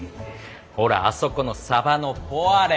ほらあそこのサバのポワレ。